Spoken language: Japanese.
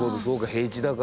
平野だから。